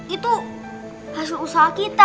itu hasil usaha kita